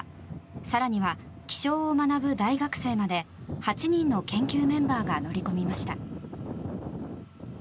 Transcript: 更には、気象を学ぶ大学生まで８人の研究メンバーが乗り込みました。